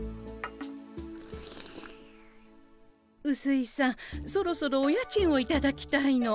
うすいさんそろそろお家賃をいただきたいの。